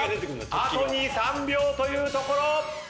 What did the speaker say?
あと２３秒というところ。